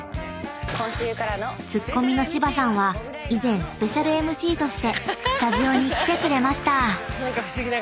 ［ツッコミの芝さんは以前スペシャルＭＣとしてスタジオに来てくれました］